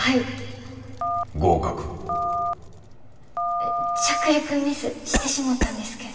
え着陸ミスしてしもたんですけど。